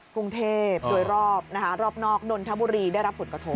กรุงเทพโดยรอบนะคะรอบนอกนนทบุรีได้รับผลกระทบ